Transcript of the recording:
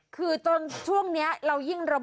คือจนช่วงนี้เรายิ่งระบบ